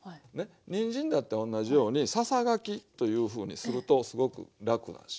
にんじんだっておんなじようにささがきというふうにするとすごく楽だし。